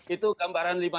itu gambaran lima puluh satu